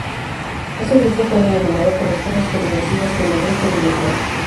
Este grupo fue denominado por las fuerzas represivas como Grupo Villaflor.